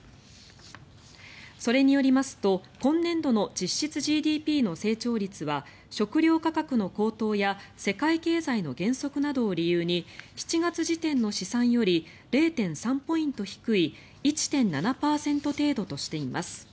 それによりますと今年度の実質ＧＤＰの成長率は食料価格の高騰や世界経済の減速などを理由に７月時点の試算より０．３ポイント低い１．７％程度としています。